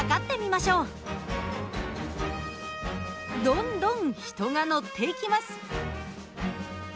どんどん人が乗っていきます。